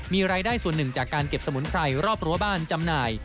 มีรายได้ส่วนหนึ่งจากการเก็บสมุนไพรรอบรั้วบ้านจำหน่าย